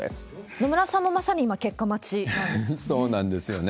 野村さんもまさに今、結果待ちなんですよね。